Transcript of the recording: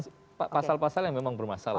karena ini pasal pasal yang memang bermasalah